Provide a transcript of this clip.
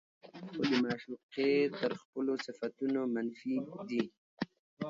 خو د معشوقې تر خپلو صفتونو منفي دي